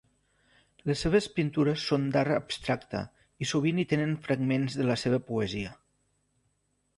Les seves pintures són d’art abstracte i sovint hi tenen fragments de la seva poesia.